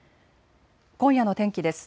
今夜の天気です。